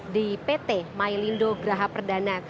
di pt mailindo graha perdana